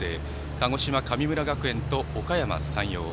鹿児島、神村学園とおかやま山陽。